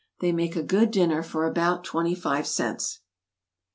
They make a good dinner for about twenty five cents.